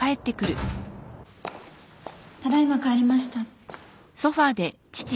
ただ今帰りました。